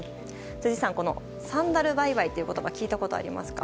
辻さん、このサンダルバイバイという言葉聞いたことありますか。